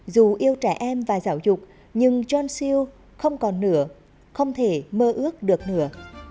dù yêu trẻ em và giáo dục nhưng john siêu không còn nữa không thể mơ ước được nữa